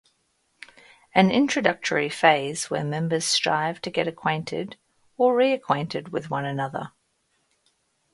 An introductory phase where members strive to get acquainted or reacquainted with one another.